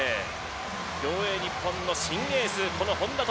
競泳日本の新エース本多灯。